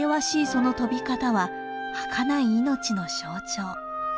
その飛び方ははかない命の象徴。